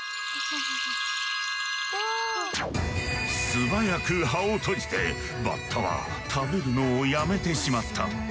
素早く葉を閉じてバッタは食べるのをやめてしまった。